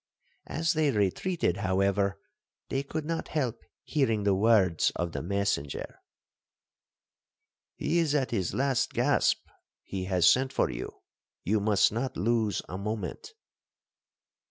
As they retreated, however, they could not help hearing the words of the messenger,—'He is at his last gasp,—he has sent for you,—you must not lose a moment.'